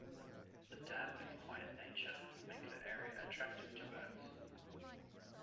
The damp and quiet nature make the area attractive to birds.